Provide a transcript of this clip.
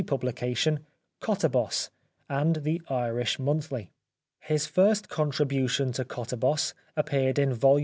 pubhcation, Kottahos, and The Irish Monthly. His first contribution to Kottahos appeared in Vol.